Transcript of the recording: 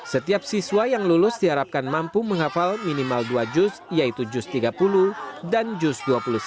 setiap siswa yang lulus diharapkan mampu menghafal minimal dua juz yaitu jus tiga puluh dan jus dua puluh sembilan